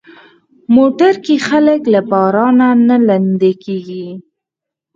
موټر کې خلک له بارانه نه لندي کېږي.